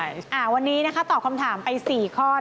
ใช่วันนี้ตอบคำถามไป๔ข้อ